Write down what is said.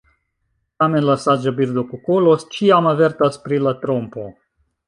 Tamen la saĝa birdo kukolo ĉiam avertas pri la trompo.